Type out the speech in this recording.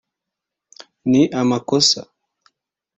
ni amakosa